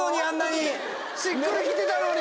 しっくりきてたのに！